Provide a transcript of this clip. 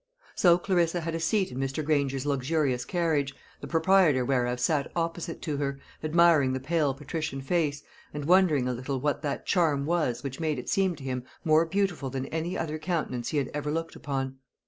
So Clarissa had a seat in Mr. Granger's luxurious carriage, the proprietor whereof sat opposite to her, admiring the pale patrician face, and wondering a little what that charm was which made it seem to him more beautiful than any other countenance he had ever looked upon.